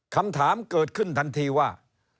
คำถามเกิดขึ้นทันทีว่า